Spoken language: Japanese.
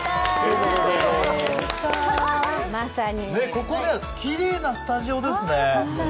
ここ、きれいなスタジオですね。